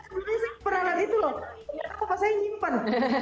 sebelumnya saya peranat itu loh kenapa saya nyimpan